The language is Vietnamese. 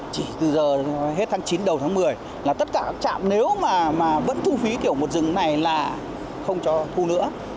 chỉ từ giờ hết tháng chín đầu tháng một mươi là tất cả các trạm nếu mà vẫn thu phí kiểu một rừng này là không cho thu nữa